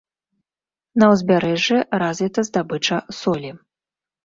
На ўзбярэжжы развіта здабыча солі.